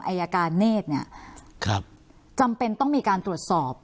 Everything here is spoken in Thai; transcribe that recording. อายการเนธเนี่ยจำเป็นต้องมีการตรวจสอบ